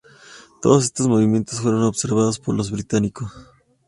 Todos estos movimiento fueron observados por los británicos.